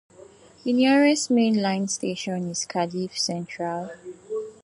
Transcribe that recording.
The nearest main line station is Cardiff Central.